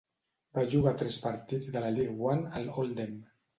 Va jugar tres partits de la League One al Oldham.